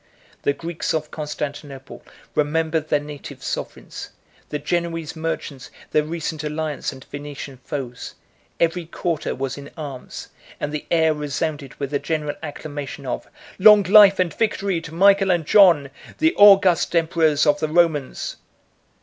The Greeks of Constantinople remembered their native sovereigns; the Genoese merchants their recent alliance and Venetian foes; every quarter was in arms; and the air resounded with a general acclamation of "Long life and victory to Michael and John, the august emperors of the Romans!"